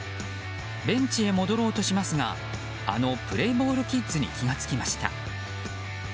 ベンチへ戻ろうとしますがあのプレーボールキッズに気が付きました。